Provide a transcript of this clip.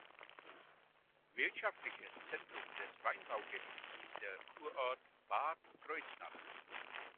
Wirtschaftliches Zentrum des Weinbaugebiets ist der Kurort Bad Kreuznach.